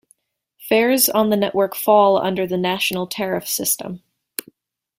Fares on the network fall under the National Tariff System.